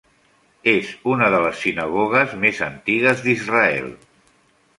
És una de les sinagogues més antigues d'Israel.